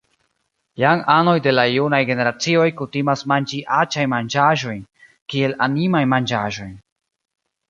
Jam anoj de la junaj generacioj kutimas manĝi aĉajn manĝaĵojn kiel “animajn manĝaĵojn.